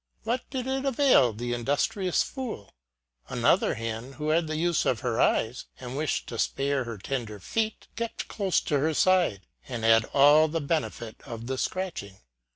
What did it avail the industrious fool ? Another hen, who had the use of her eyes, and wished to spare her tender feet, kept close to her side, and had all the benefit of the scratching.